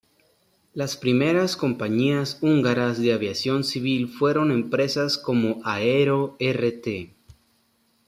Las primeras compañías húngaras de aviación civil fueron empresas como "Aero Rt.